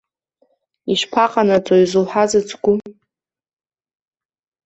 Ишԥаҟанаҵои зуҳәаз ацгәы?